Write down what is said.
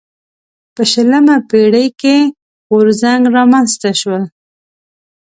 په شلمه پېړۍ کې غورځنګ رامنځته شول.